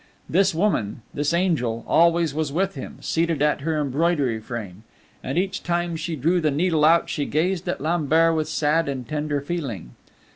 This woman, this angel, always was with him, seated at her embroidery frame; and each time she drew the needle out she gazed at Lambert with sad and tender feeling.